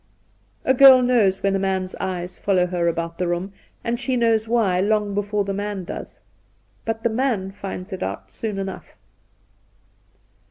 A girl knows when a man's eyes follow her about the room, and she knows why — long before the man does. But the man finds it out soon enough.